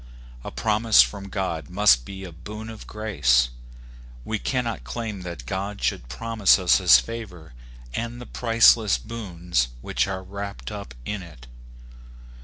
A promise from God must be a boon of grace : we cannot claim that God should promise us his favor, and the priceless boons which are wrapped up in it.